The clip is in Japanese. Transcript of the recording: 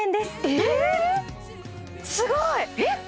すごい！え？